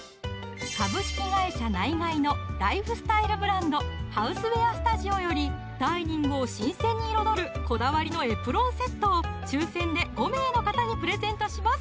ナイガイのライフスタイルブランド「ＨＯＵＳＥＷＥＡＲＳＴＵＤＩＯ」よりダイニングを新鮮に彩るこだわりのエプロンセットを抽選で５名の方にプレゼントします